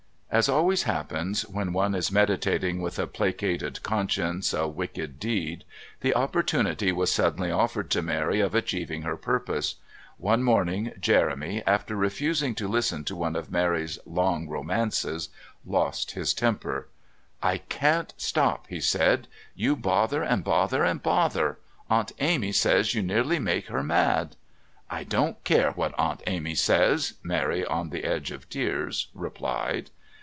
As always happens when one is meditating with a placated conscience a wicked deed, the opportunity was suddenly offered to Mary of achieving her purpose. One morning Jeremy, after refusing to listen to one of Mary's long romances, lost his temper. "I can't stop," he said. "You bother and bother and bother. Aunt Amy says you nearly make her mad." "I don't care what Aunt Amy says," Mary on the edge of tears replied.